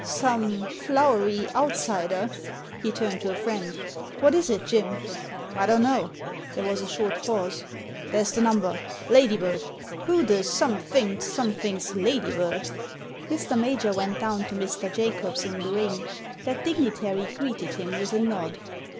"Some" — ^flowery — "outsider." He turned to a friend: "What is it, Jim?" " I don't know." There was a short pause. " There's the number. Ladybird ! Who the some thinged something's Ladybird?" Mr. Major went down to Mr. Jacobs in the ring. That dignitary greeted him with a nod.